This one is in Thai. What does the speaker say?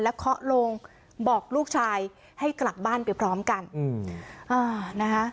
แล้วเคาะลงบอกลูกชายให้กลับบ้านไปพร้อมกัน